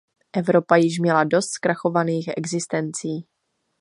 Evropa již měla dost zkrachovaných existencí.